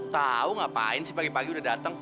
tau ngapain sih pagi pagi udah dateng